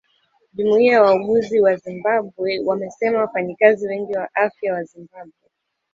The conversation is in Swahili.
Jumuiya ya wauguzi wa Zimbabwe wamesema wafanyakazi wengi wa afya wa Zimbabwe